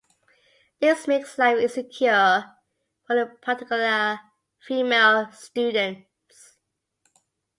This makes life insecure for in particular female students.